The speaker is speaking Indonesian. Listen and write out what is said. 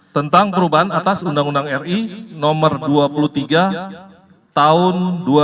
tentang perubahan atas undang undang ri nomor dua puluh tiga tahun dua ribu dua